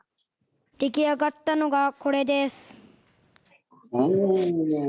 出来上がったのがこれです。